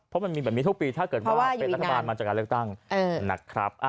เพราะมันมีแบบนี้ทุกปีถ้าเกิดว่าเป็นรัฐบาลมาจากการเลือกตั้งนะครับ